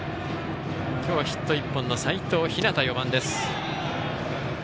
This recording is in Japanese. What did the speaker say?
今日はヒット１本の齋藤陽、４番です。